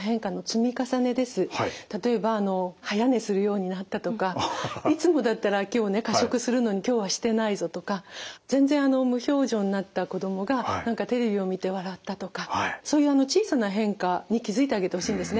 例えば早寝するようになったとかいつもだったら今日過食するのに今日はしてないぞとか全然無表情になった子供が何かテレビを見て笑ったとかそういう小さな変化に気付いてあげてほしいんですね。